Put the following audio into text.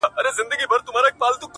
شپه چي تياره سي ‘رڼا خوره سي’